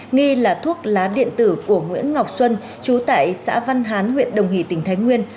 nghi là thuốc lá điện tử của nguyễn ngọc xuân trú tại xã văn hán huyện đồng hỷ tỉnh thái nguyên